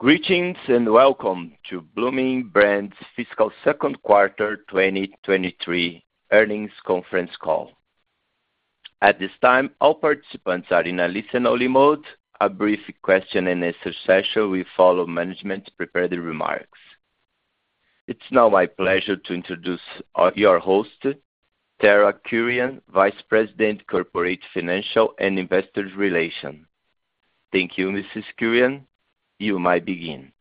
Greetings, welcome to Bloomin' Brands' fiscal second quarter 2023 earnings conference call. At this time, all participants are in a listen-only mode. A brief question and answer session will follow management's prepared remarks. It's now my pleasure to introduce your host, Tara Kurian, Vice President, Corporate, Financial, and Investor Relations. Thank you, Mrs. Kurian. You may begin.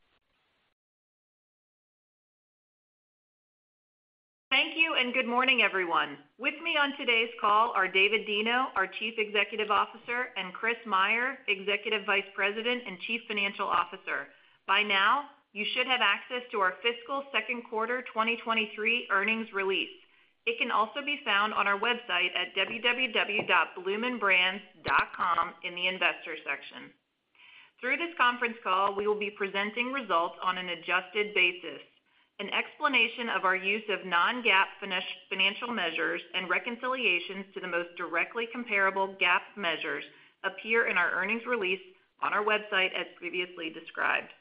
Thank you, good morning, everyone. With me on today's call are David Deno, our Chief Executive Officer, and Chris Meyer, Executive Vice President and Chief Financial Officer. By now, you should have access to our fiscal second quarter 2023 earnings release. It can also be found on our website at www.bloominbrands.com in the Investors section. Through this conference call, we will be presenting results on an adjusted basis. An explanation of our use of non-GAAP financial measures and reconciliations to the most directly comparable GAAP measures appear in our earnings release on our website, as previously described.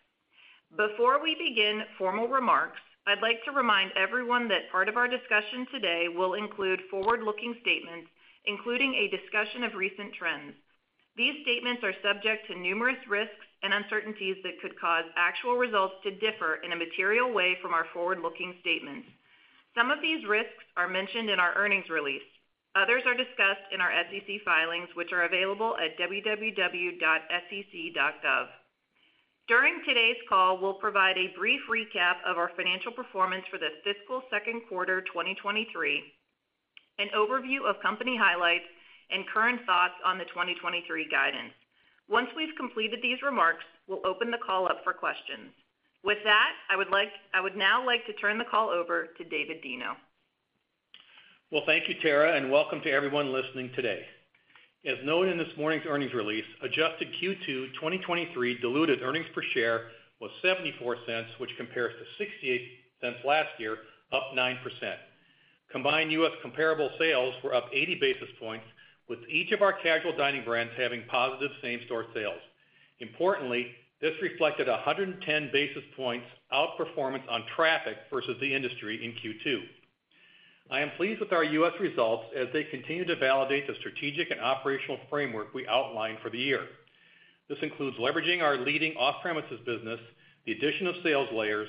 Before we begin formal remarks, I'd like to remind everyone that part of our discussion today will include forward-looking statements, including a discussion of recent trends. These statements are subject to numerous risks and uncertainties that could cause actual results to differ in a material way from our forward-looking statements. Some of these risks are mentioned in our earnings release. Others are discussed in our SEC filings, which are available at www.sec.gov. During today's call, we'll provide a brief recap of our financial performance for the fiscal 2nd quarter 2023, an overview of company highlights, and current thoughts on the 2023 guidance. Once we've completed these remarks, we'll open the call up for questions. With that, I would now like to turn the call over to David Deno. Well, thank you, Tara. Welcome to everyone listening today. As noted in this morning's earnings release, adjusted Q2 2023 diluted earnings per share was $0.74, which compares to $0.68 last year, up 9%. Combined U.S. comparable sales were up 80 basis points, with each of our casual dining brands having positive same-store sales. Importantly, this reflected 110 basis points outperformance on traffic versus the industry in Q2. I am pleased with our U.S. results as they continue to validate the strategic and operational framework we outlined for the year. This includes leveraging our leading off-premises business, the addition of sales layers,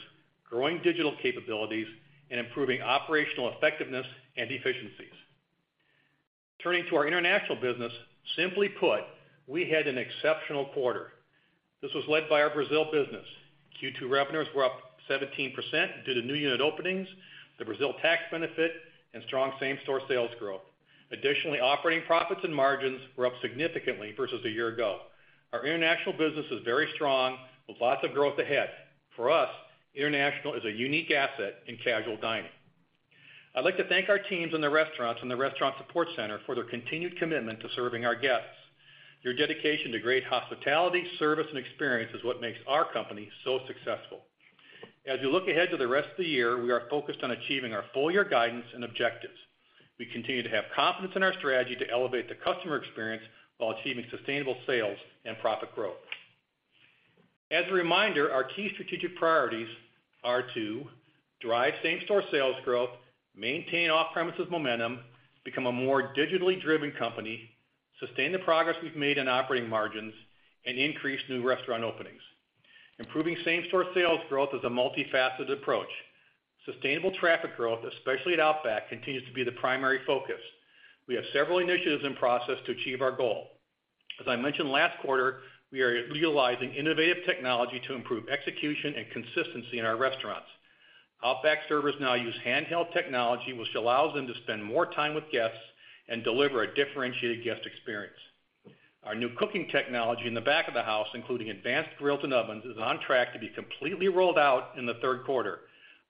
growing digital capabilities, and improving operational effectiveness and efficiencies. Turning to our international business, simply put, we had an exceptional quarter. This was led by our Brazil business. Q2 revenues were up 17% due to new unit openings, the Brazil tax benefit, and strong same-store sales growth. Additionally, operating profits and margins were up significantly versus a year ago. Our international business is very strong, with lots of growth ahead. For us, international is a unique asset in casual dining. I'd like to thank our teams in the restaurants and the Restaurant Support Center for their continued commitment to serving our guests. Your dedication to great hospitality, service, and experience is what makes our company so successful. As you look ahead to the rest of the year, we are focused on achieving our full year guidance and objectives. We continue to have confidence in our strategy to elevate the customer experience while achieving sustainable sales and profit growth. As a reminder, our key strategic priorities are to drive same-store sales growth, maintain off-premises momentum, become a more digitally driven company, sustain the progress we've made in operating margins, and increase new restaurant openings. Improving same-store sales growth is a multifaceted approach. Sustainable traffic growth, especially at Outback, continues to be the primary focus. We have several initiatives in process to achieve our goal. As I mentioned last quarter, we are utilizing innovative technology to improve execution and consistency in our restaurants. Outback servers now use handheld technology, which allows them to spend more time with guests and deliver a differentiated guest experience. Our new cooking technology in the back-of-the-house, including advanced grills and ovens, is on track to be completely rolled out in the third quarter.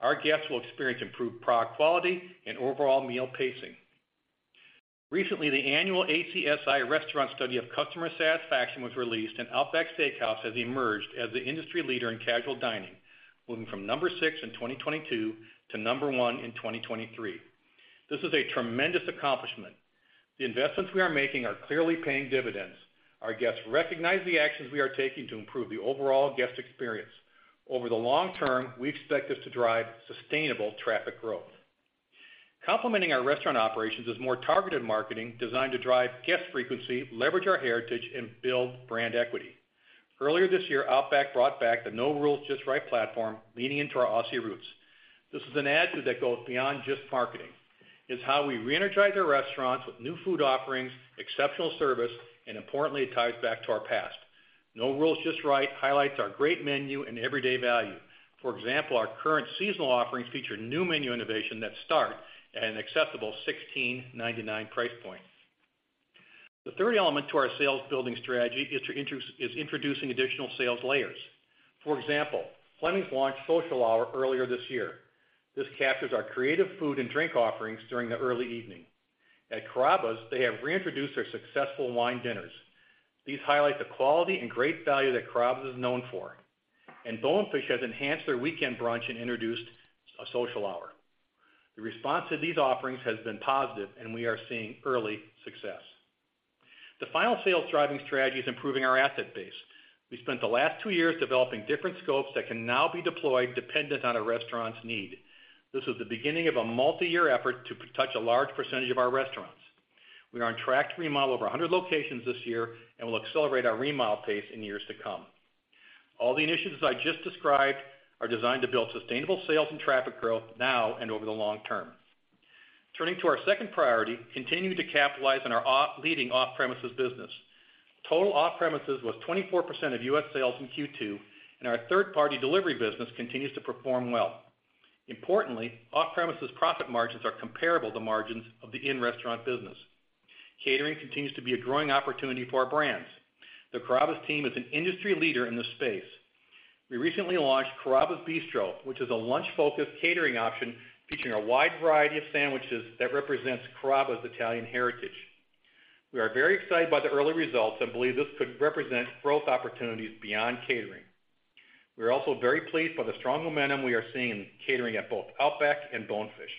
Our guests will experience improved product quality and overall meal pacing. Recently, the annual ACSI Restaurant Study of Customer Satisfaction was released, and Outback Steakhouse has emerged as the industry leader in casual dining, moving from number six in 2022 to number one in 2023. This is a tremendous accomplishment. The investments we are making are clearly paying dividends. Our guests recognize the actions we are taking to improve the overall guest experience. Over the long term, we expect this to drive sustainable traffic growth. Complementing our restaurant operations is more targeted marketing designed to drive guest frequency, leverage our heritage, and build brand equity. Earlier this year, Outback brought back the No Rules, Just Right platform, leaning into our Aussie roots. This is an attitude that goes beyond just marketing. It's how we reenergize our restaurants with new food offerings, exceptional service, and importantly, it ties back to our past. No Rules, Just Right highlights our great menu and everyday value. For example, our current seasonal offerings feature new menu innovation that start at an accessible $16.99 price point. The third element to our sales building strategy is introducing additional sales layers. For example, Fleming's launched Social Hour earlier this year. This captures our creative food and drink offerings during the early evening. At Carrabba's, they have reintroduced their successful Wine Dinners. These highlight the quality and great value that Carrabba's is known for. Bonefish has enhanced their weekend Brunch and introduced a Social Hour. The response to these offerings has been positive, and we are seeing early success.... The final sales driving strategy is improving our asset base. We spent the last two years developing different scopes that can now be deployed dependent on a restaurant's need. This is the beginning of a multi-year effort to touch a large percentage of our restaurants. We are on track to remodel over 100 locations this year. We'll accelerate our remodel pace in years to come. All the initiatives I just described are designed to build sustainable sales and traffic growth now and over the long term. Turning to our second priority, continuing to capitalize on our leading off-premises business. Total off-premises was 24% of U.S. sales in Q2. Our third-party delivery business continues to perform well. Importantly, off-premises profit margins are comparable to margins of the in-restaurant business. Catering continues to be a growing opportunity for our brands. The Carrabba's team is an industry leader in this space. We recently launched Carrabba's Sandwich Bistro, which is a lunch-focused catering option featuring a wide variety of sandwiches that represents Carrabba's Italian Heritage. We are very excited by the early results and believe this could represent growth opportunities beyond catering. We are also very pleased by the strong momentum we are seeing in catering at both Outback and Bonefish.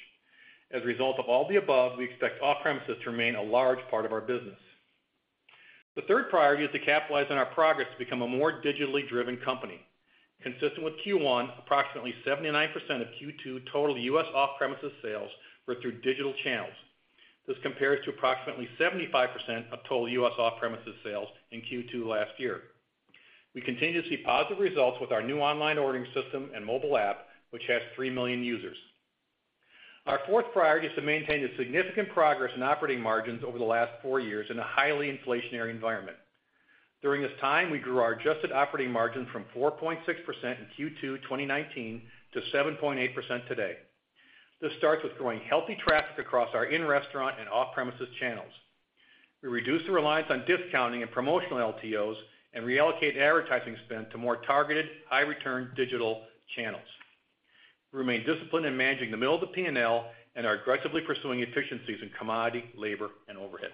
As a result of all the above, we expect off-premises to remain a large part of our business. The third priority is to capitalize on our progress to become a more digitally driven company. Consistent with Q1, approximately 79% of Q2 total U.S. off-premises sales were through digital channels. This compares to approximately 75% of total U.S. off-premises sales in Q2 last year. We continue to see positive results with our new online ordering system and mobile app, which has 3 million users. Our fourth priority is to maintain the significant progress in operating margins over the last four years in a highly inflationary environment. During this time, we grew our adjusted operating margin from 4.6% in Q2 2019 to 7.8% today. This starts with growing healthy traffic across our in-restaurant and off-premises channels. We reduced the reliance on discounting and promotional LTOs, and reallocate advertising spend to more targeted, high-return digital channels. We remain disciplined in managing the middle of the P&L and are aggressively pursuing efficiencies in commodity, labor, and overhead.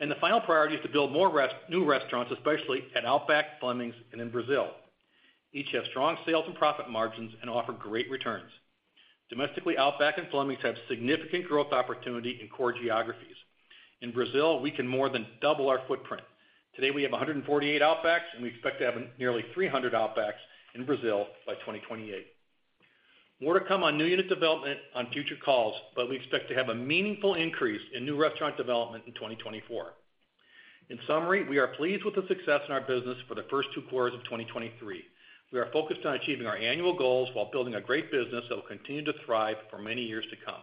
The final priority is to build more new restaurants, especially at Outback, Fleming's, and in Brazil. Each have strong sales and profit margins and offer great returns. Domestically, Outback and Fleming's have significant growth opportunity in core geographies. In Brazil, we can more than double our footprint. Today, we have 148 Outbacks, and we expect to have nearly 300 Outbacks in Brazil by 2028. More to come on new unit development on future calls, but we expect to have a meaningful increase in new restaurant development in 2024. In summary, we are pleased with the success in our business for the first two quarters of 2023. We are focused on achieving our annual goals while building a great business that will continue to thrive for many years to come.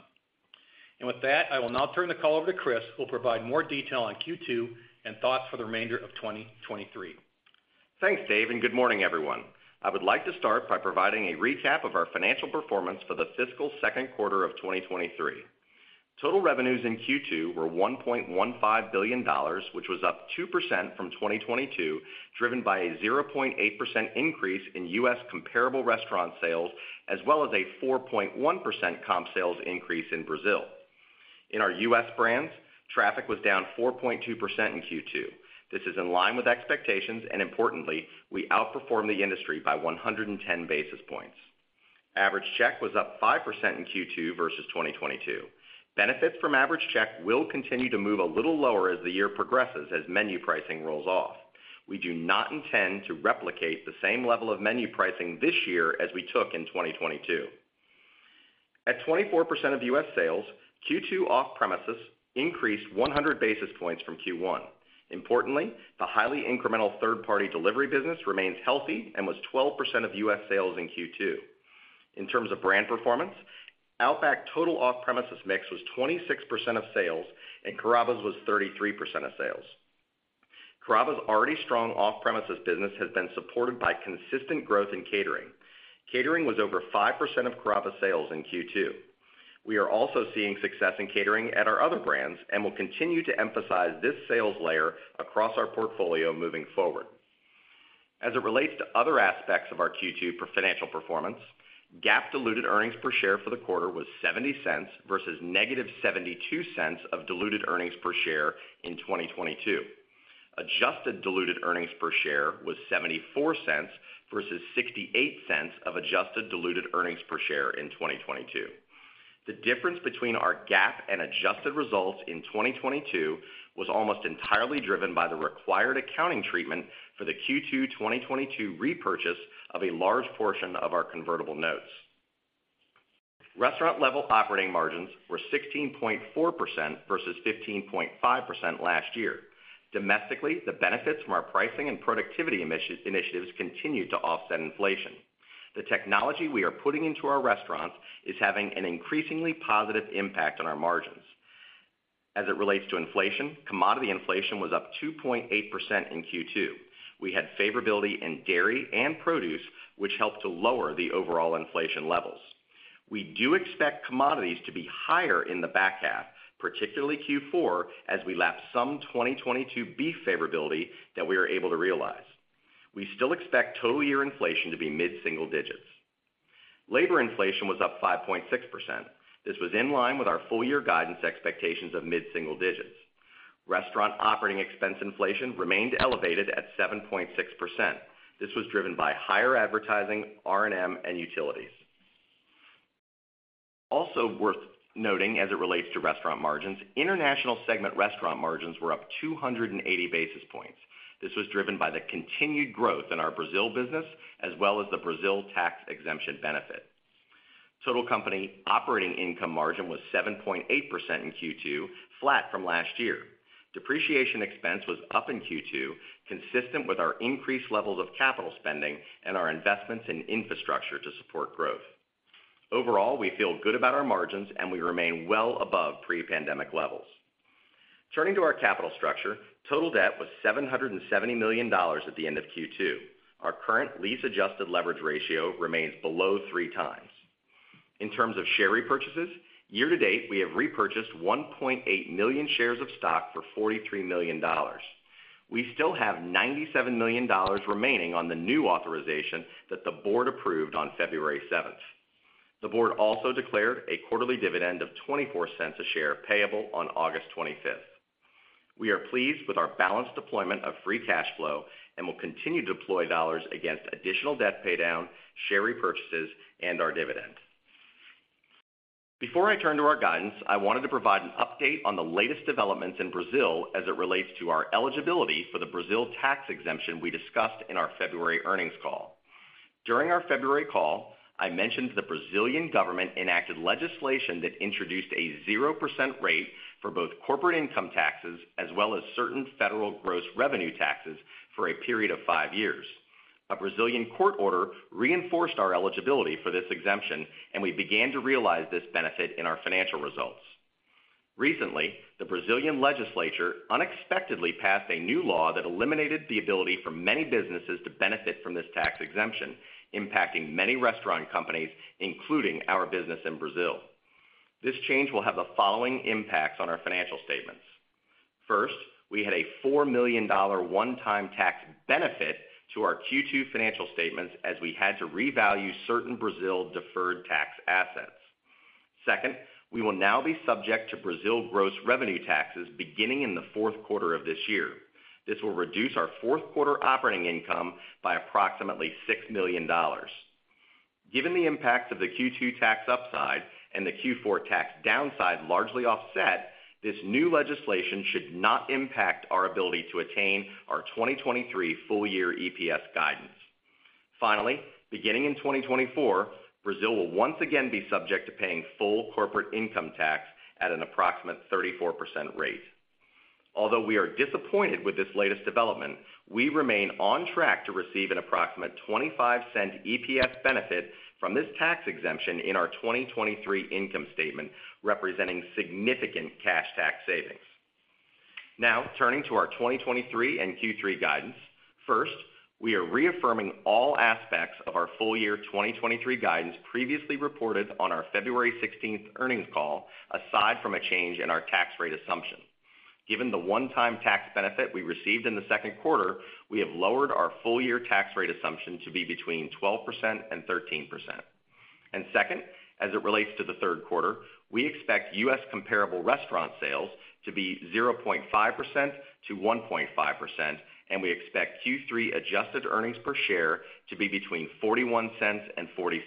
With that, I will now turn the call over to Chris, who will provide more detail on Q2 and thoughts for the remainder of 2023. Thanks, Dave. Good morning, everyone. I would like to start by providing a recap of our financial performance for the fiscal second quarter of 2023. Total revenues in Q2 were $1.15 billion, which was up 2% from 2022, driven by a 0.8% increase in U.S. comparable restaurant sales, as well as a 4.1% comp sales increase in Brazil. In our U.S. brands, traffic was down 4.2% in Q2. This is in line with expectations, and importantly, we outperformed the industry by 110 basis points. Average check was up 5% in Q2 versus 2022. Benefits from average check will continue to move a little lower as the year progresses, as menu pricing rolls off. We do not intend to replicate the same level of menu pricing this year as we took in 2022. At 24% of U.S. sales, Q2 off-premises increased 100 basis points from Q1. Importantly, the highly incremental third-party delivery business remains healthy and was 12% of U.S. sales in Q2. In terms of brand performance, Outback total off-premises mix was 26% of sales, and Carrabba's was 33% of sales. Carrabba's already strong off-premises business has been supported by consistent growth in catering. Catering was over 5% of Carrabba's sales in Q2. We are also seeing success in catering at our other brands and will continue to emphasize this sales layer across our portfolio moving forward. As it relates to other aspects of our Q2 financial performance, GAAP diluted earnings per share for the quarter was $0.70 versus -$0.72 of diluted earnings per share in 2022. Adjusted diluted earnings per share was $0.74 versus $0.68 of adjusted diluted earnings per share in 2022. The difference between our GAAP and adjusted results in 2022 was almost entirely driven by the required accounting treatment for the Q2 2022 repurchase of a large portion of our convertible notes. Restaurant-level operating margins were 16.4% versus 15.5% last year. Domestically, the benefits from our pricing and productivity initiatives continued to offset inflation. The technology we are putting into our restaurants is having an increasingly positive impact on our margins. As it relates to inflation, commodity inflation was up 2.8% in Q2. We had favorability in dairy and produce, which helped to lower the overall inflation levels. We do expect commodities to be higher in the back half, particularly Q4, as we lap some 2022 beef favorability that we were able to realize. We still expect total year inflation to be mid-single digits. Labor inflation was up 5.6%. This was in line with our full-year guidance expectations of mid-single digits. Restaurant operating expense inflation remained elevated at 7.6%. This was driven by higher advertising, R&M, and utilities. Worth noting as it relates to restaurant margins, international segment restaurant margins were up 280 basis points. This was driven by the continued growth in our Brazil business, as well as the Brazil tax exemption benefit. Total company operating income margin was 7.8% in Q2, flat from last year. Depreciation expense was up in Q2, consistent with our increased levels of capital spending and our investments in infrastructure to support growth. Overall, we feel good about our margins, and we remain well above pre-pandemic levels. Turning to our capital structure, total debt was $770 million at the end of Q2. Our current lease-adjusted leverage ratio remains below 3x. In terms of share repurchases, year to date, we have repurchased 1.8 million shares of stock for $43 million. We still have $97 million remaining on the new authorization that the board approved on February seventh. The board also declared a quarterly dividend of $0.24 a share, payable on August 25th. We are pleased with our balanced deployment of free cash flow and will continue to deploy dollars against additional debt paydown, share repurchases, and our dividend. Before I turn to our guidance, I wanted to provide an update on the latest developments in Brazil as it relates to our eligibility for the Brazil tax exemption we discussed in our February earnings call. During our February call, I mentioned the Brazilian government enacted legislation that introduced a 0% rate for both corporate income taxes as well as certain federal gross revenue taxes for a period of five years. A Brazilian court order reinforced our eligibility for this exemption, and we began to realize this benefit in our financial results. Recently, the Brazilian legislature unexpectedly passed a new law that eliminated the ability for many businesses to benefit from this tax exemption, impacting many restaurant companies, including our business in Brazil. This change will have the following impacts on our financial statements: First, we had a $4 million one-time tax benefit to our Q2 financial statements as we had to revalue certain Brazil deferred tax assets. Second, we will now be subject to Brazil gross revenue taxes beginning in the fourth quarter of this year. This will reduce our fourth quarter operating income by approximately $6 million. Given the impact of the Q2 tax upside and the Q4 tax downside largely offset, this new legislation should not impact our ability to attain our 2023 full year EPS guidance. Finally, beginning in 2024, Brazil will once again be subject to paying full corporate income tax at an approximate 34% rate. Although we are disappointed with this latest development, we remain on track to receive an approximate $0.25 EPS benefit from this tax exemption in our 2023 income statement, representing significant cash tax savings. Turning to our 2023 and Q3 guidance. First, we are reaffirming all aspects of our full year 2023 guidance previously reported on our February 16th earnings call, aside from a change in our tax rate assumption. Given the one-time tax benefit we received in the second quarter, we have lowered our full year tax rate assumption to be between 12%-13%. Second, as it relates to the third quarter, we expect U.S. comparable restaurant sales to be 0.5%-1.5%, and we expect Q3 adjusted earnings per share to be between $0.41-$0.46.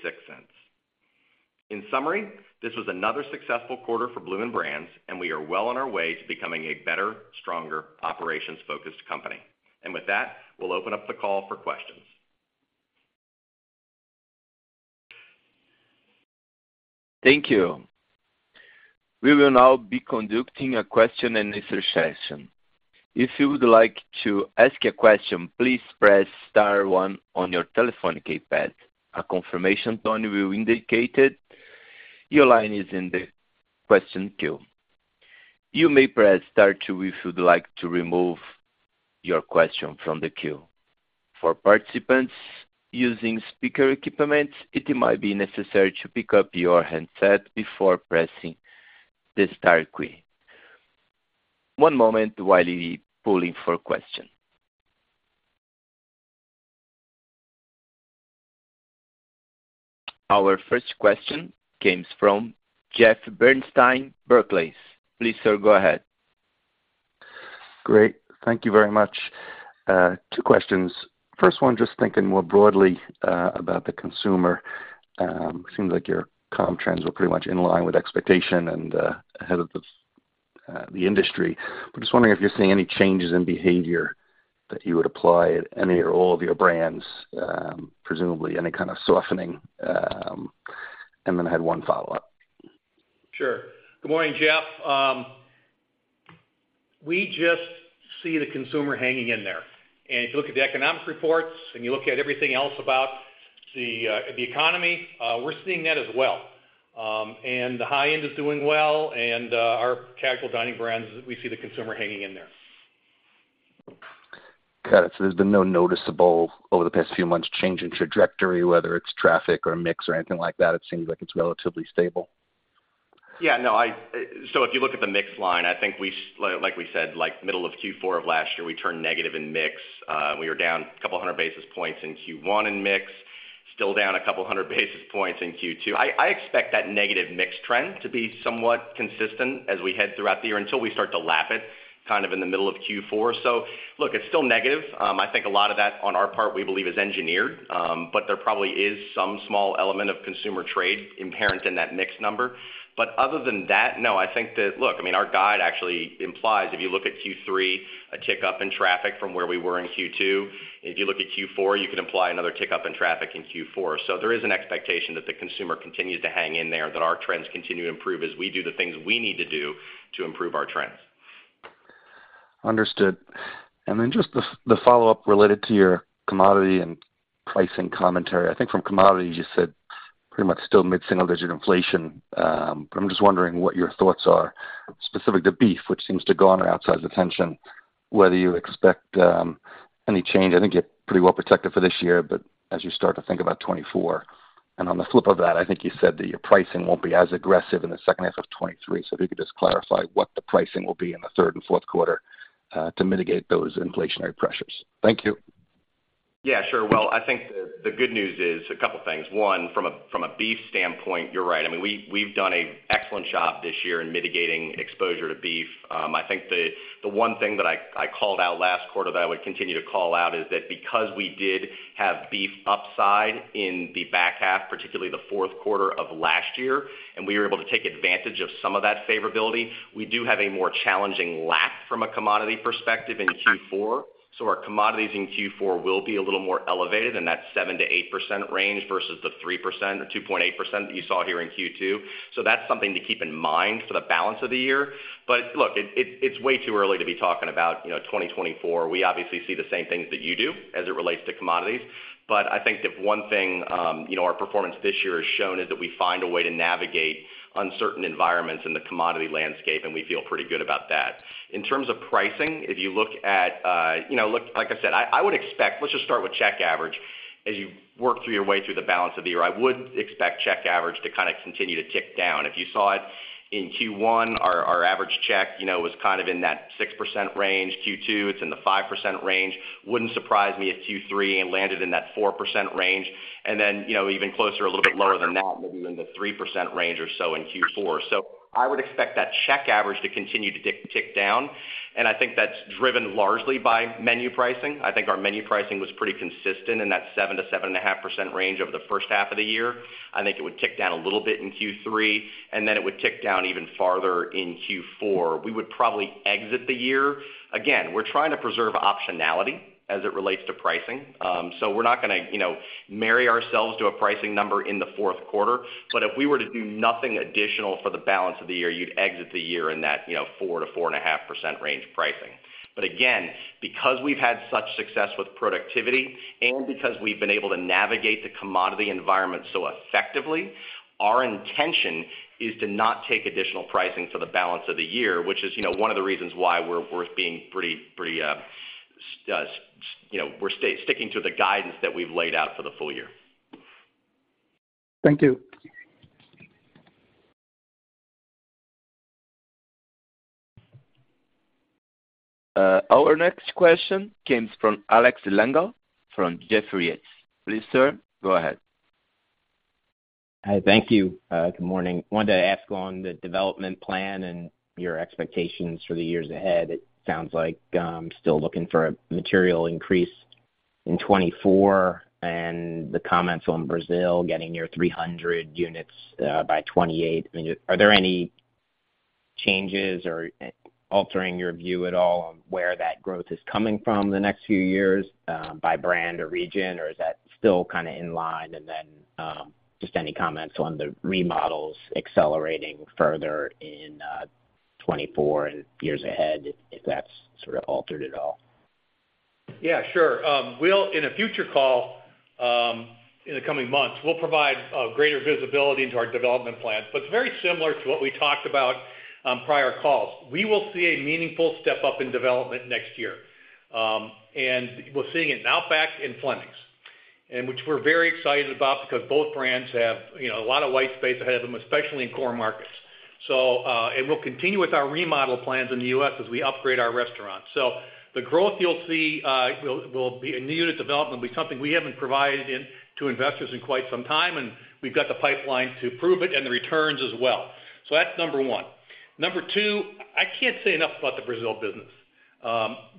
In summary, this was another successful quarter for Bloomin' Brands, and we are well on our way to becoming a better, stronger, operations-focused company. With that, we'll open up the call for questions. Thank you. We will now be conducting a question and answer session. If you would like to ask a question, please press star one on your telephone keypad. A confirmation tone will indicate it. Your line is in the question queue. You may press star two if you'd like to remove your question from the queue. For participants using speaker equipment, it might be necessary to pick up your handset before pressing the star key. One moment while we polling for questions. Our first question comes from Jeff Bernstein, Barclays. Please, sir, go ahead. Great. Thank you very much. two questions. First one, just thinking more broadly, about the consumer, seems like your com trends were pretty much in line with expectation and ahead of the industry. I'm just wondering if you're seeing any changes in behavior that you would apply at any or all of your brands, presumably any kind of softening? Then I had one follow-up. Sure. Good morning, Jeff. We just see the consumer hanging in there, and if you look at the economic reports and you look at everything else about the, the economy, we're seeing that as well. The high end is doing well and, our casual dining brands, we see the consumer hanging in there. Got it. There's been no noticeable over the past few months, change in trajectory, whether it's traffic or mix or anything like that, it seems like it's relatively stable? No, if you look at the mix line, I think we, like, like we said, like middle of Q4 of last year, we turned negative in mix. We were down 200 basis points in Q1 in mix. Still down 200 basis points in Q2. I, I expect that negative mix trend to be somewhat consistent as we head throughout the year, until we start to lap it, kind of in the middle of Q4. Look, it's still negative. I think a lot of that, on our part, we believe is engineered. There probably is some small element of consumer trade inherent in that mix number. Other than that, no, I think that look, I mean, our guide actually implies, if you look at Q3, a tick up in traffic from where we were in Q2. If you look at Q4, you can imply another tick up in traffic in Q4. There is an expectation that the consumer continues to hang in there, that our trends continue to improve as we do the things we need to do to improve our trends. Understood. Just the, the follow-up related to your commodity and pricing commentary. I think from commodity, you said pretty much still mid-single-digit inflation. I'm just wondering what your thoughts are, specific to beef, which seems to gone outside attention, whether you expect any change. I think you're pretty well protected for this year, as you start to think about 2024. On the flip of that, I think you said that your pricing won't be as aggressive in the second half of 2023. If you could just clarify what the pricing will be in the third and fourth quarter to mitigate those inflationary pressures. Thank you. Yeah, sure. Well, I think the, the good news is a couple things. One, from a, from a beef standpoint, you're right. I mean, we, we've done a excellent job this year in mitigating exposure to beef. I think the, the one thing that I, I called out last quarter that I would continue to call out is that because we did have beef upside in the back half, particularly the fourth quarter of last year, and we were able to take advantage of some of that favorability, we do have a more challenging lap from a commodity perspective in Q4. Our commodities in Q4 will be a little more elevated, and that's 7%-8% range versus the 3% or 2.8% that you saw here in Q2. That's something to keep in mind for the balance of the year. Look, it, it, it's way too early to be talking about, you know, 2024. We obviously see the same things that you do as it relates to commodities. I think that one thing, you know, our performance this year has shown is that we find a way to navigate uncertain environments in the commodity landscape, and we feel pretty good about that. In terms of pricing, if you look at, you know, look, like I said, I, I would expect, let's just start with check average. As you work through your way through the balance of the year, I would expect check average to kind of continue to tick down. If you saw it in Q1, our, our average check, you know, was kind of in that 6% range. Q2, it's in the 5% range. Wouldn't surprise me if Q3, it landed in that 4% range, and then, you know, even closer, a little bit lower than that, maybe in the 3% range or so in Q4. I would expect that check average to continue to tick, tick down, and I think that's driven largely by menu pricing. I think our menu pricing was pretty consistent in that 7%-7.5% range over the first half of the year. I think it would tick down a little bit in Q3, and then it would tick down even farther in Q4. We would probably exit the year. Again, we're trying to preserve optionality as it relates to pricing. We're not gonna, you know, marry ourselves to a pricing number in the fourth quarter. If we were to do nothing additional for the balance of the year, you'd exit the year in that, you know, 4%-4.5% range pricing. Again, because we've had such success with productivity and because we've been able to navigate the commodity environment so effectively, our intention is to not take additional pricing for the balance of the year, which is, you know, one of the reasons why we're, we're being pretty, pretty, you know, sticking to the guidance that we've laid out for the full year. Thank you. Our next question comes from Alex Slagle, from Jefferies. Please, sir, go ahead. Hi, thank you. Good morning. Wanted to ask on the development plan and your expectations for the years ahead. It sounds like, still looking for a material increase in 2024, and the comments on Brazil getting near 300 units by 2028. I mean, are there any changes or altering your view at all on where that growth is coming from the next few years, by brand or region, or is that still kind of in line? Just any comments on the remodels accelerating further in 2024 and years ahead, if that's sort of altered at all? Yeah, sure. We'll, in a future call, in the coming months, we'll provide greater visibility into our development plans. It's very similar to what we talked about on prior calls. We will see a meaningful step up in development next year. We're seeing it in Outback and Fleming's, and which we're very excited about because both brands have, you know, a lot of white space ahead of them, especially in core markets. We'll continue with our remodel plans in the U.S. as we upgrade our restaurants. The growth you'll see will, will be a new unit development, will be something we haven't provided to investors in quite some time, and we've got the pipeline to prove it and the returns as well. That's number one. Number two, I can't say enough about the Brazil business.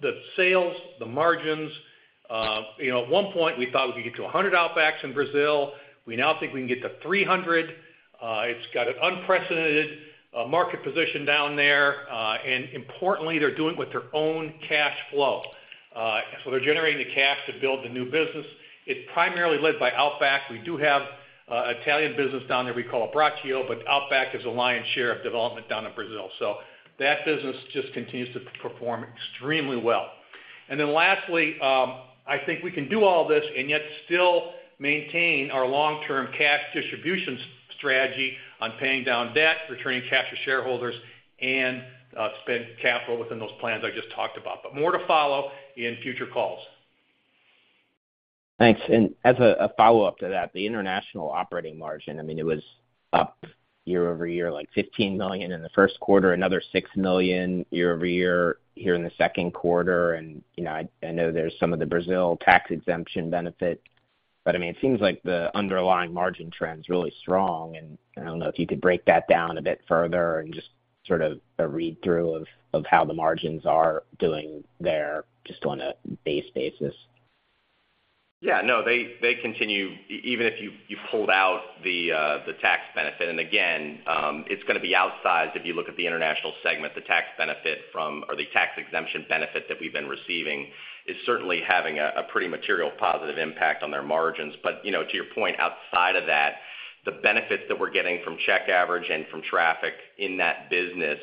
The sales, the margins, you know, at one point, we thought we could get to 100 Outbacks in Brazil. We now think we can get to 300. It's got an unprecedented market position down there, and importantly, they're doing it with their own cash flow. They're generating the cash to build the new business. It's primarily led by Outback. We do have a Italian business down there we call Abbraccio, but Outback is a lion's share of development down in Brazil. That business just continues to perform extremely well. Lastly, I think we can do all this and yet still maintain our long-term cash distribution strategy on paying down debt, returning cash to shareholders, and spend capital within those plans I just talked about. More to follow in future calls. Thanks. As a, a follow-up to that, the international operating margin, I mean, it was up year-over-year, like $15 million in the first quarter, another $6 million year-over-year here in the second quarter. You know, I, I know there's some of the Brazil tax exemption benefit, but I mean, it seems like the underlying margin trend is really strong, and I don't know if you could break that down a bit further and just sort of a read-through of, of how the margins are doing there, just on a base basis. Yeah, no, they, they continue, even if you, you pulled out the tax benefit, and again, it's gonna be outsized if you look at the international segment, the tax benefit from, or the tax exemption benefit that we've been receiving, is certainly having a pretty material positive impact on their margins. You know, to your point, outside of that, the benefits that we're getting from check average and from traffic in that business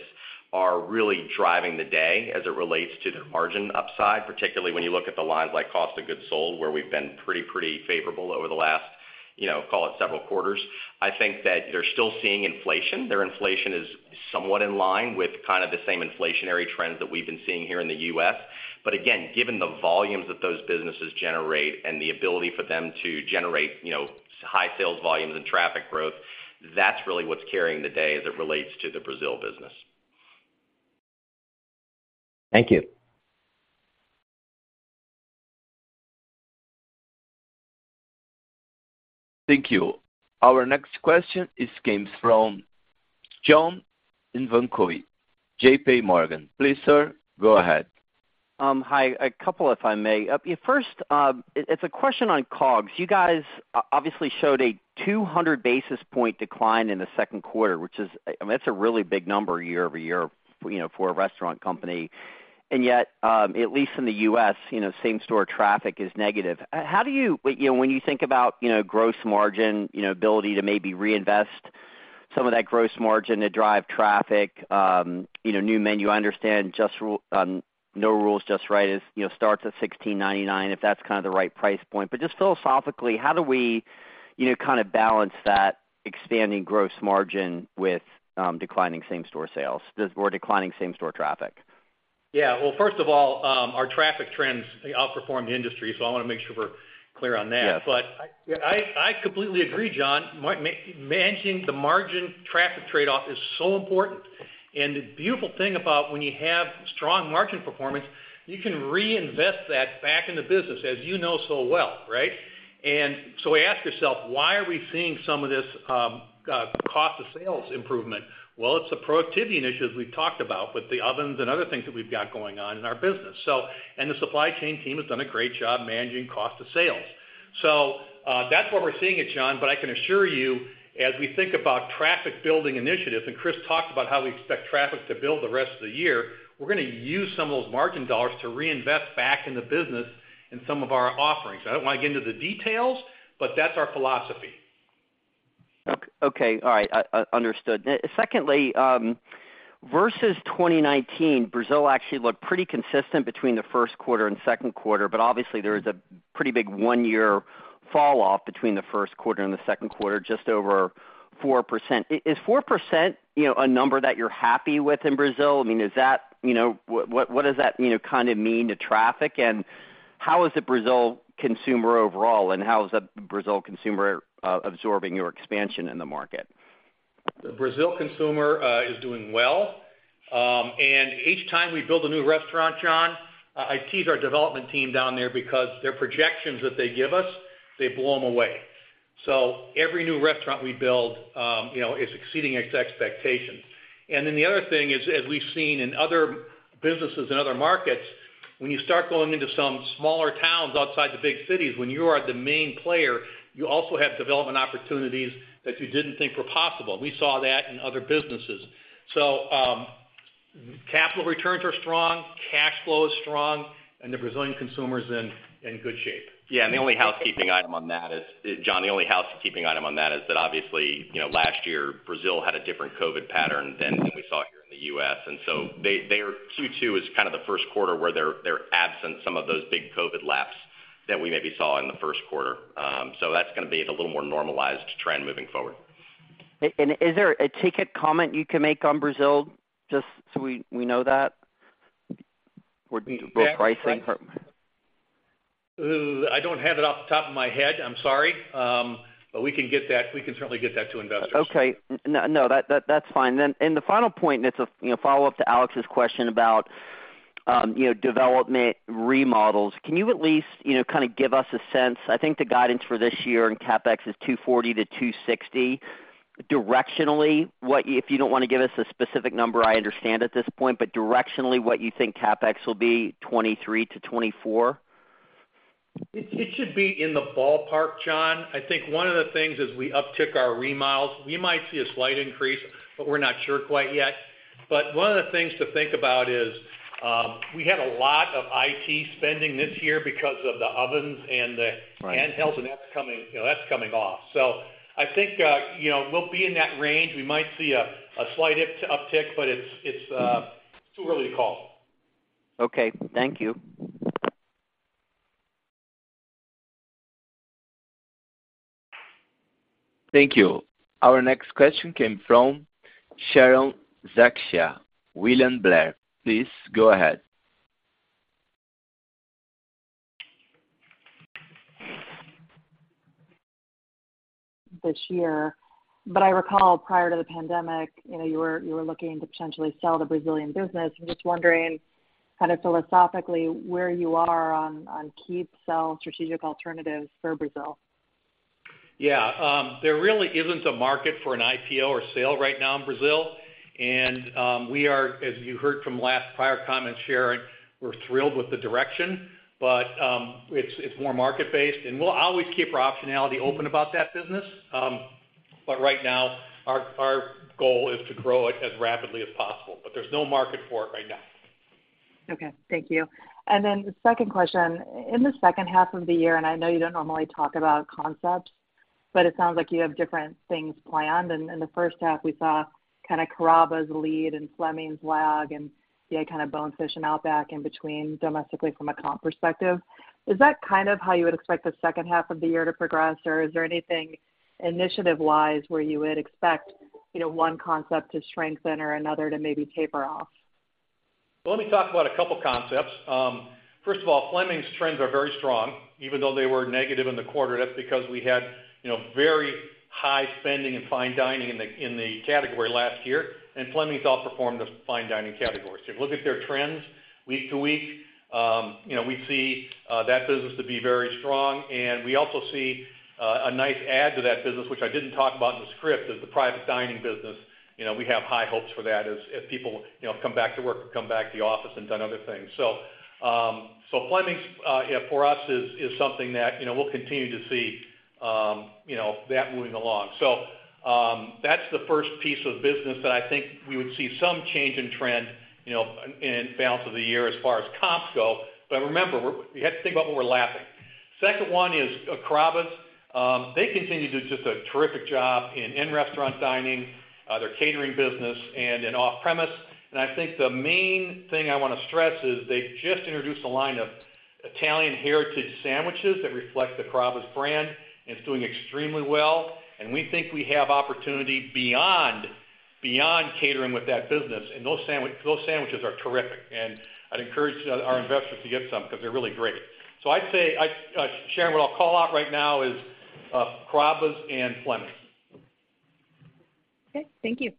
are really driving the day as it relates to the margin upside. Particularly when you look at the lines like cost of goods sold, where we've been pretty, pretty favorable over the last, you know, call it several quarters. I think that they're still seeing inflation. Their inflation is somewhat in line with kind of the same inflationary trends that we've been seeing here in the U.S. Again, given the volumes that those businesses generate and the ability for them to generate, you know, high sales volumes and traffic growth, that's really what's carrying the day as it relates to the Brazil business. Thank you. Thank you. Our next question is came from John Ivankoe, J.P. Morgan. Please, sir, go ahead. Hi. A couple, if I may. First, it's a question on COGS. You guys obviously showed a 200 basis point decline in the second quarter, which is, I mean, that's a really big number year-over-year, you know, for a restaurant company. Yet, at least in the U.S., you know, same store traffic is negative. How do you, you know, when you think about, you know, gross margin, you know, ability to maybe reinvest some of that gross margin to drive traffic, you know, new menu, I understand just No Rules, Just Right is, you know, starts at $16.99, if that's kind of the right price point. Just philosophically, how do we, you know, kind of balance that expanding gross margin with declining same store sales, or declining same store traffic? Yeah. Well, first of all, our traffic trends outperformed the industry. I wanna make sure we're clear on that. Yes. I, I completely agree, John. Managing the margin traffic trade-off is so important. The beautiful thing about when you have strong margin performance, you can reinvest that back in the business, as you know so well, right? So we ask yourself, why are we seeing some of this, cost of sales improvement? Well, it's the productivity initiatives we've talked about with the ovens and other things that we've got going on in our business. The supply chain team has done a great job managing cost of sales. That's what we're seeing it, John, but I can assure you, as we think about traffic building initiatives, and Chris talked about how we expect traffic to build the rest of the year, we're gonna use some of those margin dollars to reinvest back in the business in some of our offerings. I don't want to get into the details, but that's our philosophy. Okay. All right, understood. Secondly, versus 2019, Brazil actually looked pretty consistent between the first quarter and second quarter. Obviously, there is a pretty big one-year falloff between the first quarter and the second quarter, just over 4%. Is 4%, you know, a number that you're happy with in Brazil? I mean, is that? You know, what, what does that, you know, kind of mean to traffic, and how is the Brazil consumer overall, and how is the Brazil consumer absorbing your expansion in the market? The Brazil consumer is doing well. Each time we build a new restaurant, John, I tease our development team down there because their projections that they give us, they blow them away. Every new restaurant we build, you know, is exceeding its expectations. The other thing is, as we've seen in other businesses and other markets, when you start going into some smaller towns outside the big cities, when you are the main player, you also have development opportunities that you didn't think were possible. We saw that in other businesses. Capital returns are strong, cash flow is strong, and the Brazilian consumer is in, in good shape. Yeah, the only housekeeping item on that is, John, the only housekeeping item on that is that obviously, you know, last year, Brazil had a different COVID pattern than, than we saw here in the U.S. So they, their Q2 is kind of the first quarter where they're, they're absent some of those big COVID laps that we maybe saw in the first quarter. So that's gonna be a little more normalized trend moving forward. Is there a ticket comment you can make on Brazil, just so we, we know that, with both pricing? I don't have it off the top of my head. I'm sorry. We can certainly get that to investors. Okay. No, that's fine. The final point, and it's a, you know, follow-up to Alex's question about, you know, development remodels. Can you at least, you know, kind of give us a sense? I think the guidance for this year in CapEx is $240 million-$260 million. Directionally, what if you don't wanna give us a specific number, I understand at this point, but directionally, what you think CapEx will be, 2023-2024? It, it should be in the ballpark, John. I think one of the things is we uptick our remodels. We might see a slight increase, but we're not sure quite yet. One of the things to think about is, we had a lot of IT spending this year because of the ovens and the- Right. Handhelds. That's coming, you know, that's coming off. I think, you know, we'll be in that range. We might see a slight uptick, but it's, it's too early to call. Okay, thank you. Thank you. Our next question came from Sharon Zackfia, William Blair. Please go ahead.... This year. I recall prior to the pandemic, you know, you were, you were looking to potentially sell the Brazilian business. I'm just wondering, kind of philosophically, where you are on, on keep, sell strategic alternatives for Brazil? Yeah, there really isn't a market for an IPO or sale right now in Brazil. We are, as you heard from last prior comments, Sharon, we're thrilled with the direction, but it's, it's more market-based, and we'll always keep our optionality open about that business. Right now, our, our goal is to grow it as rapidly as possible, but there's no market for it right now. Okay, thank you. The second question, in the second half of the year, and I know you don't normally talk about concepts, but it sounds like you have different things planned. In the first half, we saw kind of Carrabba's lead and Fleming's lag, and you had kind of Bonefish and Outback in between, domestically from a comp perspective. Is that kind of how you would expect the second half of the year to progress? Or is there anything initiative-wise where you would expect, you know, one concept to strengthen or another to maybe taper off? Well, let me talk about a couple concepts. First of all, Fleming's trends are very strong, even though they were negative in the quarter. That's because we had, you know, very high spending in fine dining in the, in the category last year, and Fleming's outperformed the fine dining category. If you look at their trends week to week, you know, we see that business to be very strong, and we also see a nice add to that business, which I didn't talk about in the script, is the private dining business. You know, we have high hopes for that as, as people, you know, come back to work or come back to the office and done other things. So Fleming's, yeah, for us, is, is something that, you know, we'll continue to see, you know, that moving along. That's the first piece of business that I think we would see some change in trend, you know, in balance of the year as far as comps go. Remember, you have to think about what we're lapping. Second one is Carrabba's. They continue to do just a terrific job in in-restaurant dining, their catering business and in off-premise. I think the main thing I want to stress is they've just introduced a line of Italian Heritage Sandwiches that reflect the Carrabba's brand, and it's doing extremely well, and we think we have opportunity beyond, beyond catering with that business. Those Sandwiches are terrific, and I'd encourage our investors to get some because they're really great. I'd say, I, Sharon, what I'll call out right now is Carrabba's and Fleming's. Okay, thank you.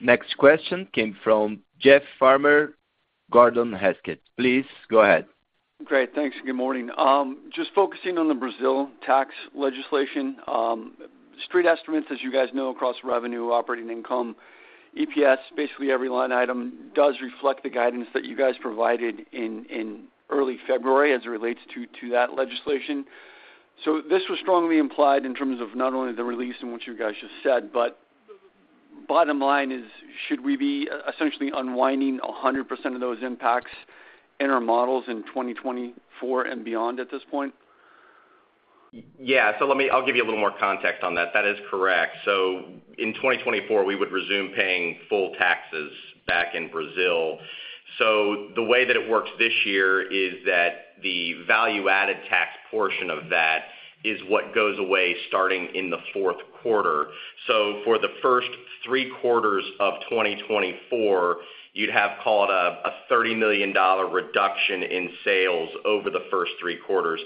Next question came from Jeff Farmer, Gordon Haskett. Please go ahead. Great, thanks, and good morning. Just focusing on the Brazil tax legislation. Street estimates, as you guys know, across revenue, operating income, EPS, basically every line item does reflect the guidance that you guys provided in early February as it relates to that legislation. This was strongly implied in terms of not only the release and what you guys just said, but bottom line is, should we be essentially unwinding 100% of those impacts in our models in 2024 and beyond at this point? Yeah. Let me I'll give you a little more context on that. That is correct. In 2024, we would resume paying full taxes back in Brazil. The way that it works this year is that the value-added tax portion of that is what goes away starting in the fourth quarter. For the first three quarters of 2024, you'd have call it a, a $30 million reduction in sales over the first three quarters,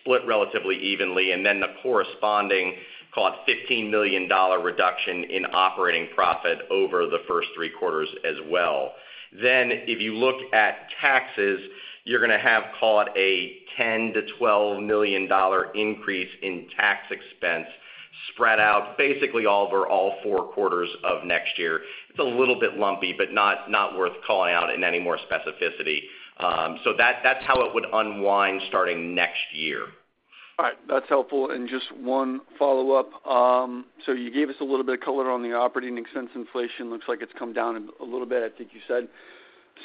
split relatively evenly, then the corresponding, call it $15 million reduction in operating profit over the first three quarters as well. If you look at taxes, you're going to have call it a $10 million-$12 million increase in tax expense spread out basically over all four quarters of next year. It's a little bit lumpy, but not, not worth calling out in any more specificity. That, that's how it would unwind starting next year. All right. That's helpful. Just one follow-up. You gave us a little bit of color on the operating expense inflation. Looks like it's come down a little bit. I think you said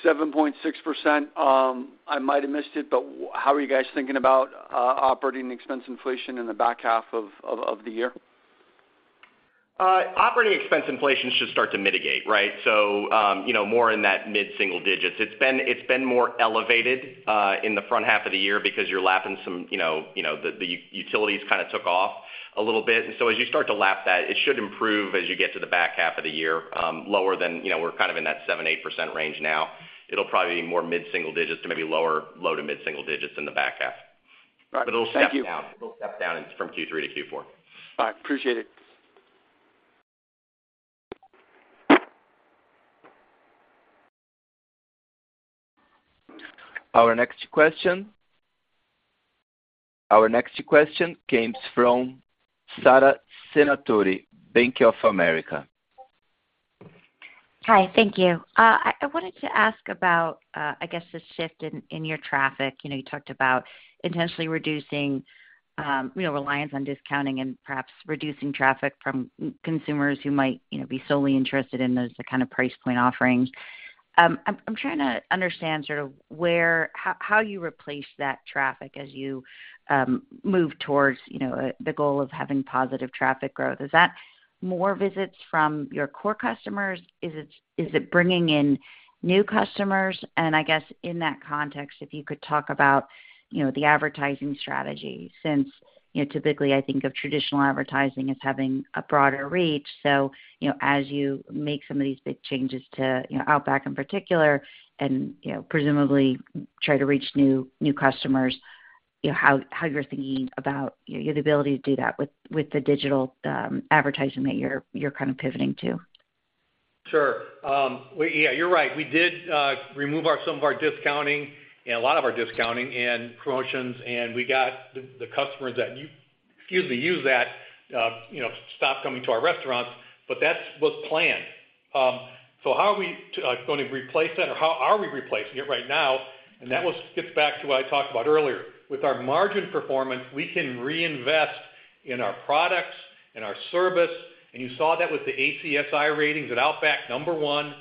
7.6%. I might have missed it, how are you guys thinking about operating expense inflation in the back half of, of, of the year? Operating expense inflation should start to mitigate, right? You know, more in that mid-single digits. It's been, it's been more elevated in the front half of the year because you're lapping some, you know, you know, the, the utilities kind of took off a little bit. As you start to lap that, it should improve as you get to the back half of the year, lower than, you know, we're kind of in that 7%-8% range now. It'll probably be more mid-single digits to maybe lower, low to mid-single digits in the back half. Right. Thank you. It'll step down. It'll step down from Q3 to Q4. All right. Appreciate it. Our next question, our next question comes from Sara Senatore, Bank of America. Hi, thank you. I wanted to ask about, I guess, the shift in your traffic. You know, you talked about intentionally reducing, you know, reliance on discounting and perhaps reducing traffic from consumers who might, you know, be solely interested in those kind of price point offerings. I'm trying to understand sort of how you replace that traffic as you move towards, you know, the goal of having positive traffic growth. Is that more visits from your core customers? Is it bringing in new customers? I guess in that context, if you could talk about, you know, the advertising strategy, since, you know, typically I think of traditional advertising as having a broader reach. You know, as you make some of these big changes to, you know, Outback in particular, and, you know, presumably try to reach new, new customers. You know, how, how you're thinking about your ability to do that with, with the digital advertising that you're, you're kind of pivoting to? Sure. Yeah, you're right. We did remove our, some of our discounting and a lot of our discounting and promotions, and we got the, the customers that usually use that, you know, stop coming to our restaurants, but that's was planned. How are we going to replace that, or how are we replacing it right now? That was gets back to what I talked about earlier. With our margin performance, we can reinvest in our products and our service, and you saw that with the ACSI ratings at Outback, number one,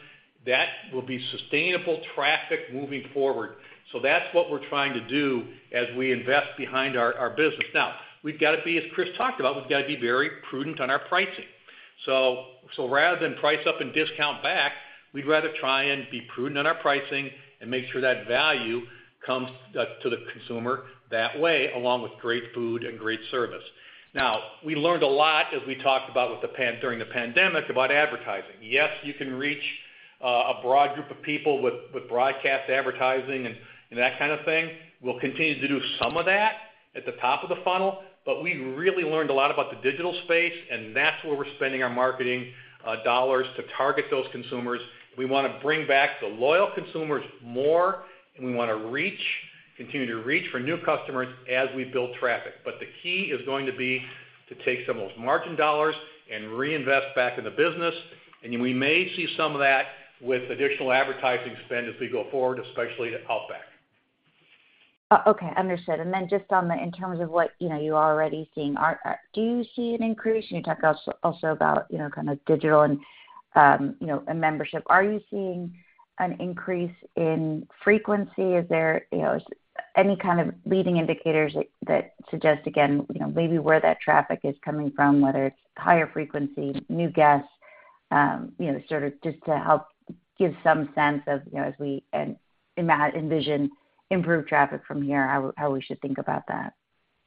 that will be sustainable traffic moving forward. That's what we're trying to do as we invest behind our, our business. Now, we've got to be, as Chris talked about, we've got to be very prudent on our pricing. Rather than price up and discount back, we'd rather try and be prudent on our pricing and make sure that value comes to the consumer that way, along with great food and great service. Now, we learned a lot, as we talked about during the pandemic, about advertising. Yes, you can reach a broad group of people with, with broadcast advertising and, and that kind of thing. We'll continue to do some of that at the top of the funnel, but we really learned a lot about the digital space, and that's where we're spending our marketing dollars to target those consumers. We want to bring back the loyal consumers more, and we want to reach, continue to reach for new customers as we build traffic. The key is going to be to take some of those margin dollars and reinvest back in the business, and we may see some of that with additional advertising spend as we go forward, especially at Outback. Okay, understood. Then just on the, in terms of what, you know, you are already seeing, are, do you see an increase? You talked also about, you know, kind of digital and, you know, and membership. Are you seeing an increase in frequency? Is there, you know, any kind of leading indicators that, that suggest, again, you know, maybe where that traffic is coming from, whether it's higher frequency, new guests, you know, sort of just to help give some sense of, you know, as we envision improved traffic from here, how, how we should think about that?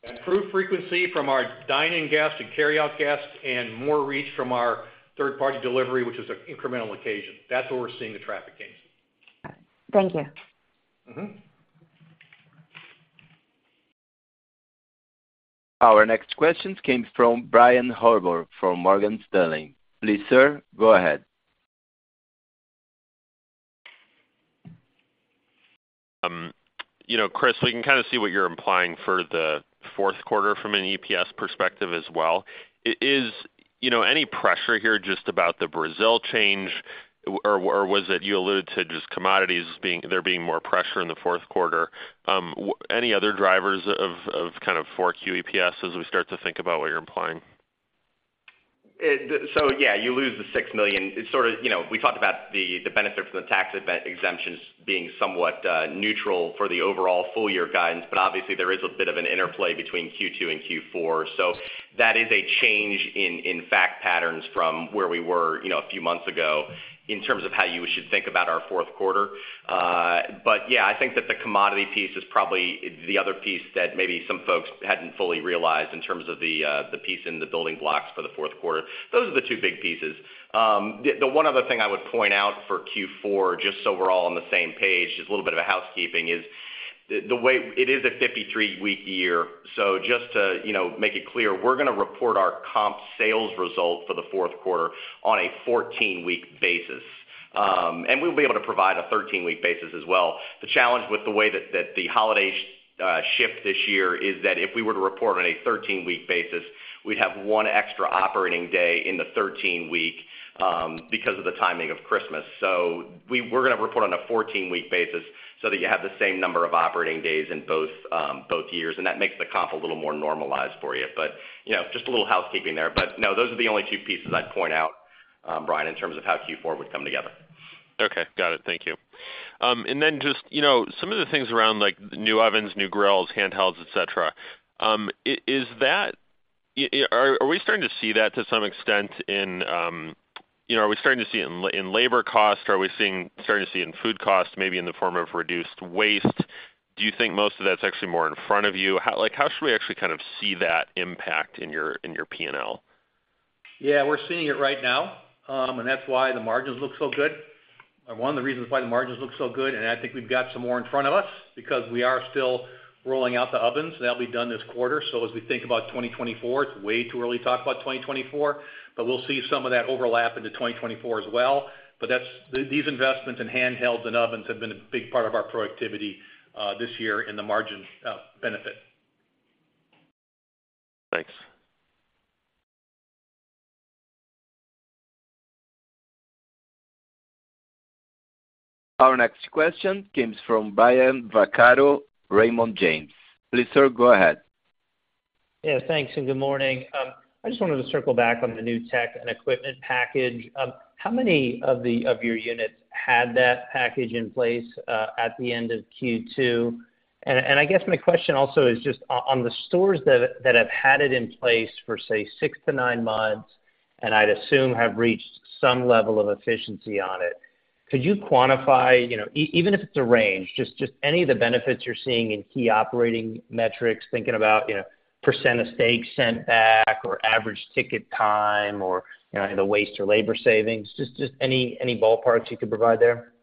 Improved frequency from our dine-in guests and carryout guests, and more reach from our third-party delivery, which is an incremental occasion. That's where we're seeing the traffic gains. Thank you. Mm-hmm. Our next question comes from Brian Harbour from Morgan Stanley. Please, sir, go ahead. You know, Chris, we can kind of see what you're implying for the Q4 from an EPS perspective as well. Is, you know, any pressure here just about the Brazil change, or, or was it you alluded to just commodities being there being more pressure in the Q4? Any other drivers of, of kind of Q4 EPS as we start to think about what you're implying? Yeah, you lose the $6 million. It's sort of, you know, we talked about the, the benefit from the tax event exemptions being somewhat neutral for the overall full year guidance, but obviously, there is a bit of an interplay between Q2 and Q4. That is a change in fact, patterns from where we were, you know, a few months ago in terms of how you should think about our fourth quarter. Yeah, I think that the commodity piece is probably the other piece that maybe some folks hadn't fully realized in terms of the, the piece in the building blocks for the fourth quarter. Those are the two big pieces. The, the one of other thing I would point out for Q4, just so we're all on the same page, just a little bit of a housekeeping, is the, the way it is a 53-week year. So just to, you know, make it clear, we're going to report our comp sales result for the fourth quarter on a 14-week basis. And we'll be able to provide a 13-week basis as well. The challenge with the way that, that the holiday shift this year is that if we were to report on a 13-week basis, we'd have 1 extra operating day in the 13-week because of the timing of Christmas. So we-- we're going to report on a 14-week basis so that you have the same number of operating days in both, both years, and that makes the comp a little more normalized for you. You know, just a little housekeeping there. No, those are the only two pieces I'd point out, Brian, in terms of how Q4 would come together. Okay, got it. Thank you. Then just, you know, some of the things around, like new ovens, new grills, handhelds, et cetera, are we starting to see that to some extent in, you know, are we starting to see it in, in labor costs? Are we starting to see in food costs, maybe in the form of reduced waste? Do you think most of that's actually more in front of you? How like, how should we actually kind of see that impact in your, in your P&L? Yeah, we're seeing it right now, and that's why the margins look so good. One of the reasons why the margins look so good, and I think we've got some more in front of us because we are still rolling out the ovens. That'll be done this quarter. As we think about 2024, it's way too early to talk about 2024, but we'll see some of that overlap into 2024 as well. These investments in handhelds and ovens have been a big part of our productivity this year in the margin benefit. Thanks. Our next question comes from Brian Vaccaro, Raymond James. Please, sir, go ahead. Yeah, thanks, and good morning. I just wanted to circle back on the new tech and equipment package. How many of the, of your units had that package in place at the end of Q2? I guess my question also is just on the stores that, that have had it in place for, say, six to nine months, and I'd assume have reached some level of efficiency on it, could you quantify, you know, even if it's a range, just, just any of the benefits you're seeing in key operating metrics, thinking about, you know, percent of stakes sent back or average ticket time or, you know, the waste or labor savings, just, just any, any ballparks you could provide there?...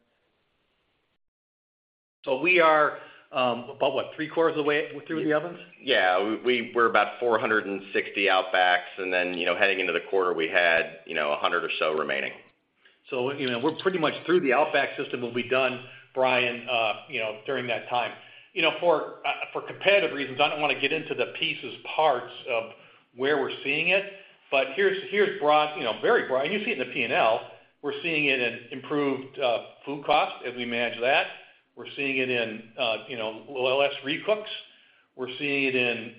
We are about what? Three quarters of the way through with the ovens? Yeah, we, we're about 460 Outbacks, then, you know, heading into the quarter, we had, you know, 100 or so remaining. You know, we're pretty much through the Outback system, we'll be done, Brian, you know, during that time. You know, for competitive reasons, I don't want to get into the pieces, parts of where we're seeing it, but here's, here's broad, you know, very broad. You see it in the P&L. We're seeing it in improved food costs as we manage that. We're seeing it in, you know, less recooks. We're seeing it in,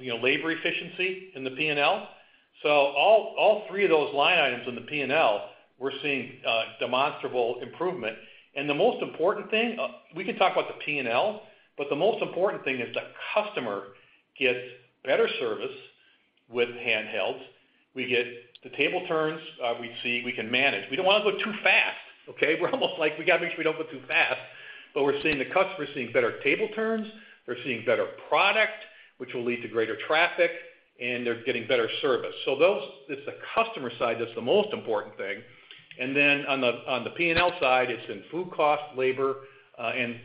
you know, labor efficiency in the P&L. All, all three of those line items in the P&L, we're seeing demonstrable improvement. The most important thing, we can talk about the P&L, but the most important thing is the customer gets better service with handhelds. We get the table turns, we see, we can manage. We don't want to go too fast, okay? We're almost like, we gotta make sure we don't go too fast, but we're seeing the customer seeing better table turns. They're seeing better product, which will lead to greater traffic, and they're getting better service. Those, it's the customer side that's the most important thing. Then on the, on the P&L side, it's in food cost, labor, and,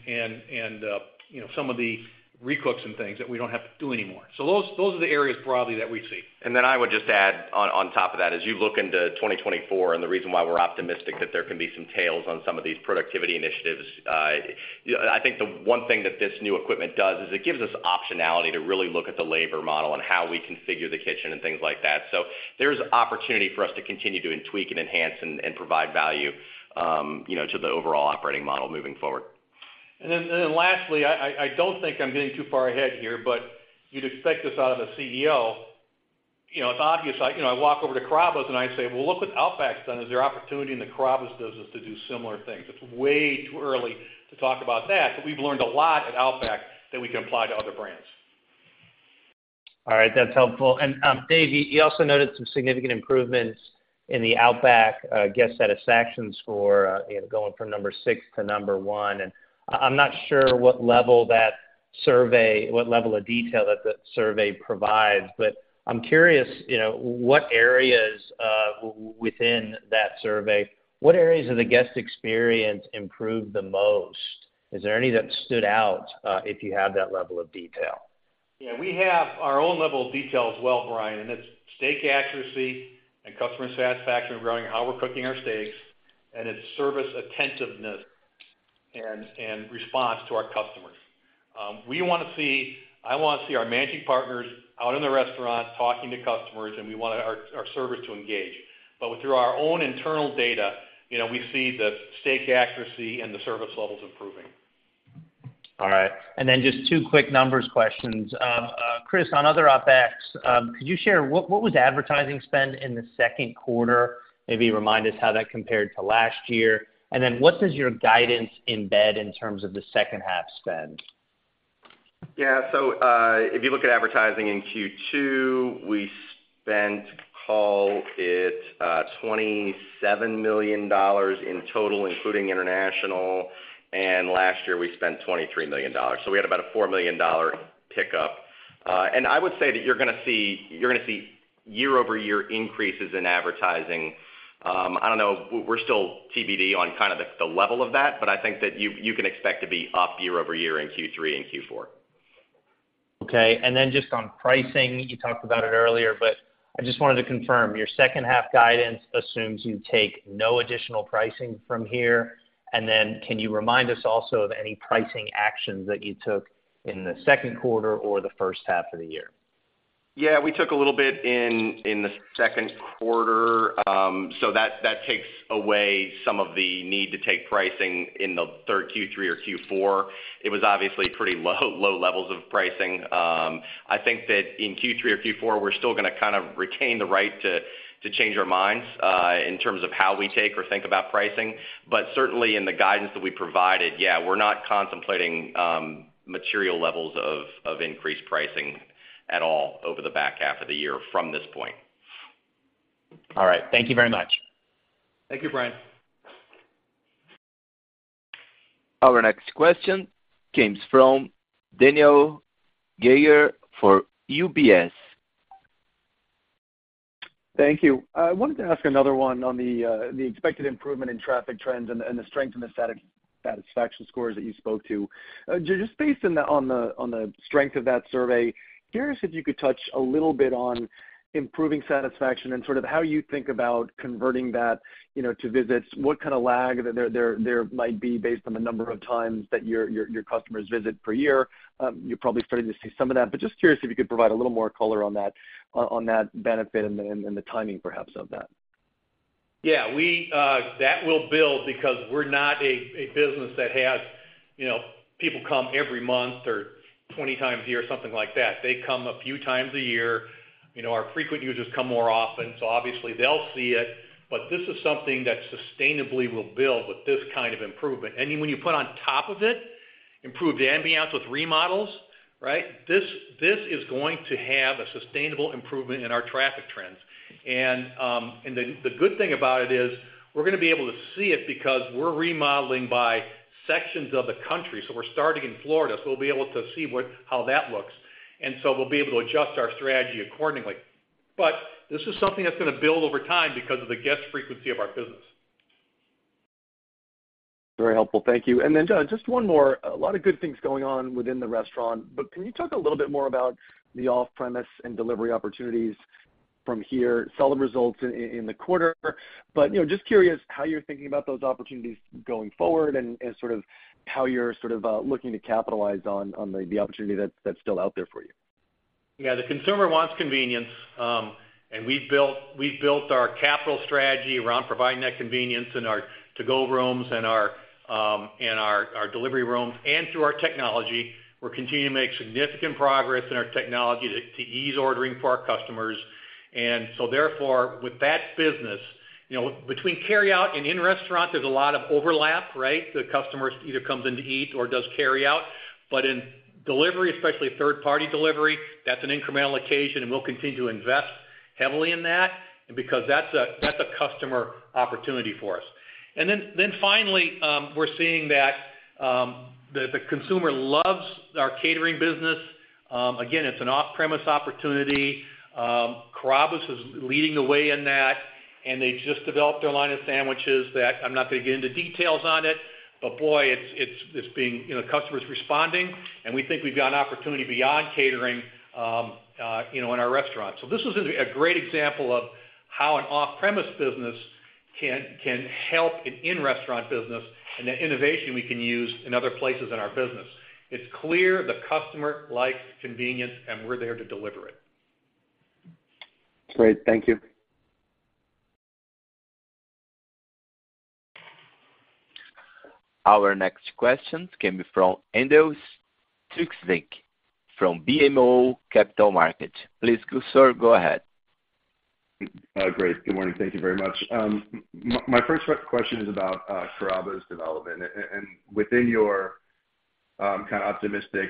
you know, some of the recooks and things that we don't have to do anymore. Those, those are the areas broadly that we see. Then I would just add on, on top of that, as you look into 2024, and the reason why we're optimistic that there can be some tails on some of these productivity initiatives, I think the one thing that this new equipment does, is it gives us optionality to really look at the labor model and how we configure the kitchen and things like that. There's opportunity for us to continue to tweak and enhance and, and provide value, you know, to the overall operating model moving forward. Then, and then lastly, I don't think I'm getting too far ahead here. You'd expect this out of a CEO. You know, it's obvious, you know, I walk over to Carrabba's and I say, "Well, look what Outback's done. Is there opportunity in the Carrabba's business to do similar things?" It's way too early to talk about that. We've learned a lot at Outback that we can apply to other brands. All right, that's helpful. Dave, you, you also noted some significant improvements in the Outback guest satisfaction score, you know, going from number six to number one. I'm not sure what level that survey, what level of detail that the survey provides, but I'm curious, you know, what areas within that survey, what areas of the guest experience improved the most? Is there any that stood out, if you have that level of detail? Yeah, we have our own level of detail as well, Brian, and it's steak accuracy and customer satisfaction regarding how we're cooking our steaks. It's service attentiveness and response to our customers. I want to see our managing partners out in the restaurant talking to customers, and we want our, our servers to engage. Through our own internal data, you know, we see the steak accuracy and the service levels improving. All right. Then just two quick numbers questions. Chris, on other OpEx, could you share what, what was the advertising spend in the second quarter? Maybe remind us how that compared to last year. Then what does your guidance embed in terms of the second half spend? Yeah. If you look at advertising in Q2, we spent, call it, $27 million in total, including international, and last year we spent $23 million. We had about a $4 million pickup. I would say that you're gonna see, you're gonna see year-over-year increases in advertising. I don't know, we're still TBD on kind of the level of that, but I think that you, you can expect to be up year-over-year in Q3 and Q4. Okay. Just on pricing, you talked about it earlier, but I just wanted to confirm, your second half guidance assumes you take no additional pricing from here? Can you remind us also of any pricing actions that you took in the second quarter or the first half of the year? Yeah, we took a little bit in, in the second quarter. That, that takes away some of the need to take pricing in the third, Q3 or Q4. It was obviously pretty low, low levels of pricing. I think that in Q3 or Q4, we're still gonna kind of retain the right to, to change our minds, in terms of how we take or think about pricing. Certainly, in the guidance that we provided, yeah, we're not contemplating, material levels of, of increased pricing at all over the back half of the year from this point. All right. Thank you very much. Thank you, Brian. Our next question comes from Dennis Geiger for UBS. Thank you. I wanted to ask another one on the expected improvement in traffic trends and the, and the strength in the satisfaction scores that you spoke to. Just based on the strength of that survey, curious if you could touch a little bit on improving satisfaction and sort of how you think about converting that, you know, to visits. What kind of lag there might be based on the number of times that your customers visit per year? You're probably starting to see some of that, but just curious if you could provide a little more color on that benefit and the, and the timing, perhaps, of that. Yeah, we, that will build because we're not a, a business that has, you know, people come every month or 20 times a year, or something like that. They come a few times a year. You know, our frequent users come more often, so obviously they'll see it. This is something that sustainably will build with this kind of improvement. Then when you put on top of it, improved ambiance with remodels, right? This, this is going to have a sustainable improvement in our traffic trends. Then, and then the good thing about it is, we're gonna be able to see it because we're remodeling by sections of the country. We're starting in Florida, so we'll be able to see what how that looks, and so we'll be able to adjust our strategy accordingly. This is something that's going to build over time because of the guest frequency of our business. Very helpful. Thank you. Then, John, just 1 more. A lot of good things going on within the restaurant, but can you talk a little bit more about the off-premise and delivery opportunities from here? Solid results in, in the quarter, but, you know, just curious how you're thinking about those opportunities going forward and, and sort of how you're sort of looking to capitalize on, on the, the opportunity that's, that's still out there for you. Yeah, the consumer wants convenience, and we've built, we've built our capital strategy around providing that convenience in our to-go rooms and our, and our, our delivery rooms and through our technology. We're continuing to make significant progress in our technology to, to ease ordering for our customers. So therefore, with that business, you know, between carryout and in-restaurant, there's a lot of overlap, right? The customer either comes in to eat or does carryout. In delivery, especially third-party delivery, that's an incremental occasion, and we'll continue to invest heavily in that, and because that's a, that's a customer opportunity for us. Then, then finally, we're seeing that, the, the consumer loves our catering business. Again, it's an off-premise opportunity. Carrabba's is leading the way in that, and they just developed their line of Sandwiches that I'm not going to get into details on it, but boy, it's being, you know, customers responding, and we think we've got an opportunity beyond catering, you know, in our restaurants. This is a, a great example of how an off-premise business can, can help an in-restaurant business, and the innovation we can use in other places in our business. It's clear the customer likes convenience, and we're there to deliver it. Great. Thank you. Our next question came from Andrew Strelzik from BMO Capital Markets. Please, sir, go ahead. Great. Good morning. Thank you very much. My, my first question is about Carrabba's development. Within your, kind of optimistic,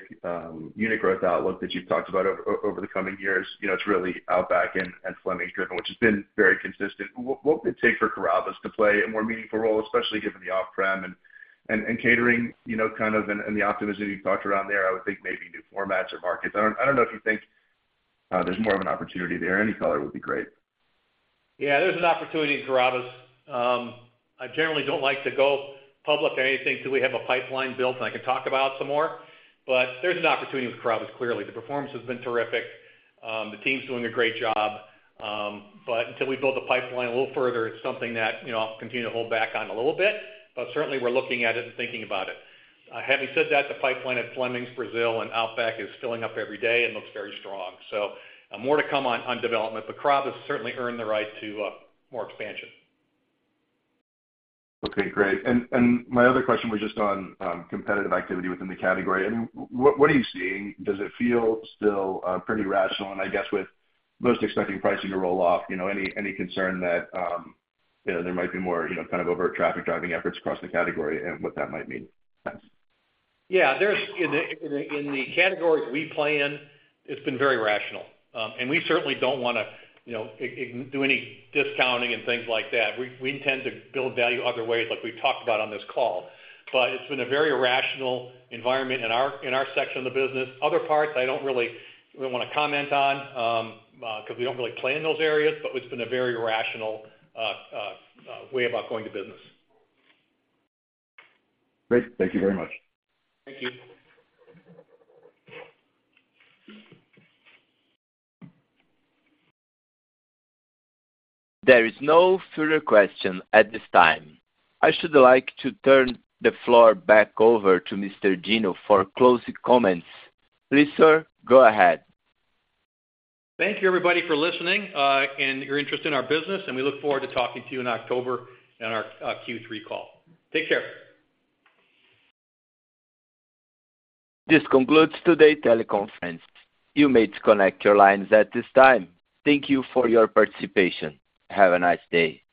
unit growth outlook that you've talked about o-over the coming years, you know, it's really Outback and Fleming's driven, which has been very consistent. W-what would it take for Carrabba's to play a more meaningful role, especially given the off-prem and, and catering, you know, kind of, and, and the optimism you talked around there? I would think maybe new formats or markets. I don't, I don't know if you think there's more of an opportunity there. Any color would be great. Yeah, there's an opportunity in Carrabba's. I generally don't like to go public or anything till we have a pipeline built, and I can talk about some more. There's an opportunity with Carrabba's, clearly. The performance has been terrific. The team's doing a great job. Until we build the pipeline a little further, it's something that, you know, I'll continue to hold back on a little bit, but certainly, we're looking at it and thinking about it. Having said that, the pipeline at Fleming's Brazil and Outback is filling up every day and looks very strong. More to come on, on development, but Carrabba's certainly earned the right to more expansion. Okay, great. My other question was just on competitive activity within the category. I mean, what are you seeing? Does it feel still pretty rational? I guess with most expecting pricing to roll off, you know, any, any concern that, you know, there might be more, you know, kind of overt traffic-driving efforts across the category and what that might mean? Thanks. In the categories we play in, it's been very rational. We certainly don't want to, you know, do any discounting and things like that. We intend to build value other ways, like we've talked about on this call. It's been a very rational environment in our section of the business. Other parts, I don't really want to comment on because we don't really play in those areas. It's been a very rational way about going to business. Great. Thank you very much. Thank you. There is no further question at this time. I should like to turn the floor back over to Mr. Deno for closing comments. Please, sir, go ahead. Thank you, everybody, for listening, and your interest in our business, and we look forward to talking to you in October in our Q3 call. Take care. This concludes today's teleconference. You may disconnect your lines at this time. Thank you for your participation. Have a nice day.